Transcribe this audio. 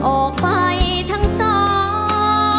ออกไปทั้งสอง